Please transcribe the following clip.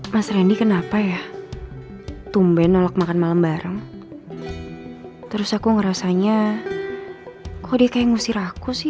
mas randy kenapa ya tumben nolak makan malam bareng terus aku ngerasanya kok dia kayak ngusir aku sih